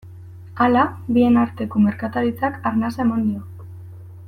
Hala, bien arteko merkataritzak arnasa eman dio.